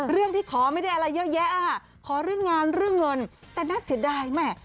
เรื่องที่ขอไม่ได้อะไรเยอะแยะขอเรื่องงานเรื่องเงินแต่น่าเสียดายแม่